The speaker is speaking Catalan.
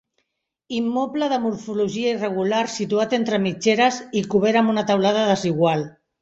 Immoble de morfologia irregular situat entre mitgeres i cobert amb una teulada desigual.